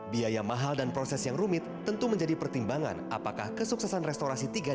biaya mahal dan proses yang rumit tentu menjadi pertimbangan apakah kesuksesan restorasi